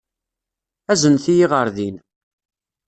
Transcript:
Aznet-iyi ɣer din.